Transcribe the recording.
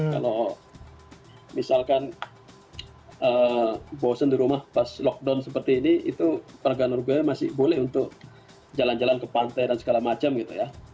kalau misalkan bosen di rumah pas lockdown seperti ini itu perganurga masih boleh untuk jalan jalan ke pantai dan segala macam gitu ya